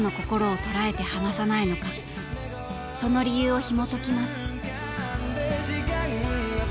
その理由をひもときます。